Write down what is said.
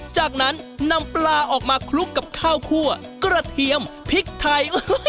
จากนั้นนำปลาออกมาคลุกกับข้าวคั่วกระเทียมพริกไทย